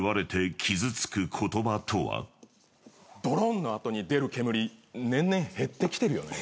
ドロン！のあとに出る煙年々減ってきてるよね。